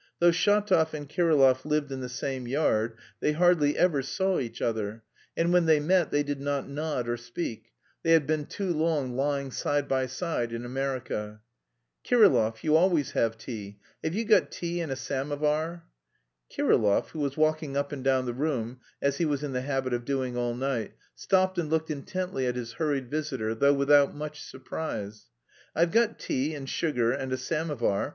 Though Shatov and Kirillov lived in the same yard they hardly ever saw each other, and when they met they did not nod or speak: they had been too long "lying side by side" in America.... "Kirillov, you always have tea; have you got tea and a samovar?" Kirillov, who was walking up and down the room, as he was in the habit of doing all night, stopped and looked intently at his hurried visitor, though without much surprise. "I've got tea and sugar and a samovar.